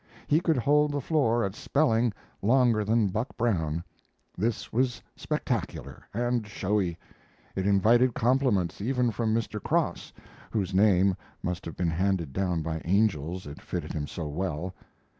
He could hold the floor at spelling longer than Buck Brown. This was spectacular and showy; it invited compliments even from Mr. Cross, whose name must have been handed down by angels, it fitted him so well.